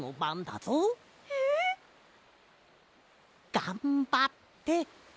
がんばって。